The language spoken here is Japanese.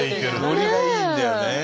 ノリがいいんだよね。